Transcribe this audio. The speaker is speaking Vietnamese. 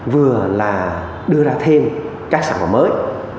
vừa là đưa ra thêm các sản phẩm mới